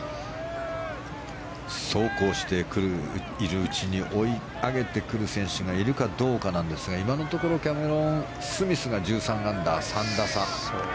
そうこうしているうちに追い上げてくる選手がいるかどうかなんですが今のところキャメロン・スミスが１３アンダー、３打差。